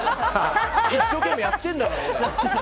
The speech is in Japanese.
一生懸命やってるんだから。